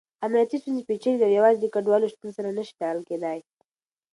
امنیتي ستونزې پېچلې دي او يوازې د کډوالو شتون سره نه شي تړل کېدای.